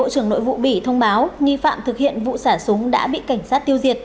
bộ trưởng nội vụ bỉ thông báo nghi phạm thực hiện vụ xả súng đã bị cảnh sát tiêu diệt